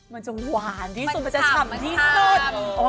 มันจะหวานที่สุดมันจะฉ่ำที่สุด